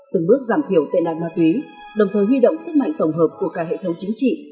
từng bước giảm thiểu tệ nạn ma túy đồng thời huy động sức mạnh tổng hợp của cả hệ thống chính trị